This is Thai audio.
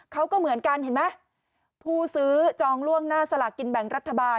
เขาก็เหมือนกันเห็นไหมผู้ซื้อจองล่วงหน้าสลากินแบ่งรัฐบาล